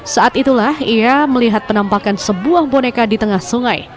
saat itulah ia melihat penampakan sebuah boneka di tengah sungai